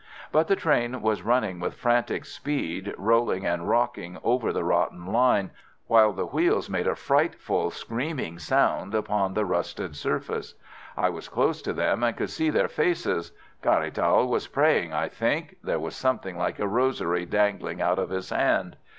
But the train was running with frantic speed, rolling and rocking over the rotten line, while the wheels made a frightful screaming sound upon the rusted surface. I was close to them, and could see their faces. Caratal was praying, I think—there was something like a rosary dangling out of his hand.